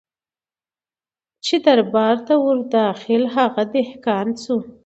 چي دربار ته ور داخل هغه دهقان سو